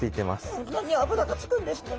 こんなに脂がつくんですね